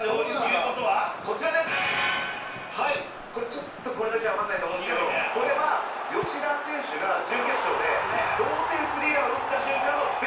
ちょっとこれだけじゃわからないと思うんですけどこれは吉田選手が準決勝で同点３ランを打った瞬間のベンチの様子ですね。